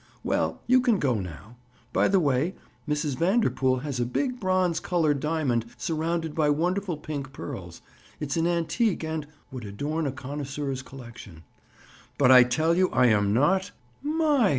"Well, you can go now. By the way, Mrs. Vanderpool has a big bronze colored diamond surrounded by wonderful pink pearls. It's an antique and—would adorn a connoisseur's collection." "But I tell you I am not—" "My!